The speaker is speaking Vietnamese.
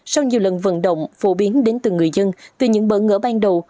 sau nhiều lần vận động phổ biến đến từng người dân từ những bỡ ngỡ ban đầu